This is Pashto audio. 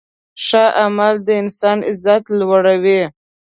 ښه عمل د انسان عزت لوړوي.